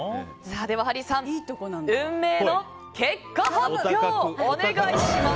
ハリーさん、運命の結果発表お願いします。